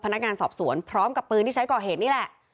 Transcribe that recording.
พนักงานสอบสวนพร้อมกับปืนที่ใช้ก่อเหตุนี่แหละ